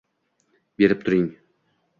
Berib turing